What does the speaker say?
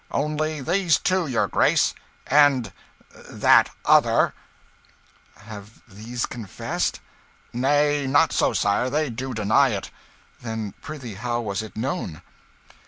"Only these two, your grace and that other." "Have these confessed?" "Nay, not so, sire they do deny it." "Then prithee, how was it known?"